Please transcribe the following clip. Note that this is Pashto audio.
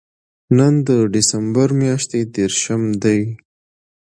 نن د دېسمبر میاشتې درېرشم دی